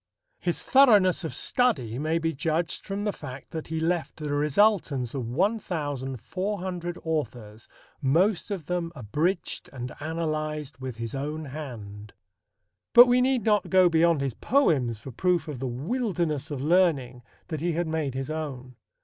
His thoroughness of study may be judged from the fact that "he left the resultance of 1,400 authors, most of them abridged and analyzed with his own hand." But we need not go beyond his poems for proof of the wilderness of learning that he had made his own.